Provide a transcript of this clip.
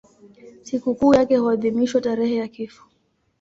Sikukuu yake huadhimishwa tarehe ya kifo.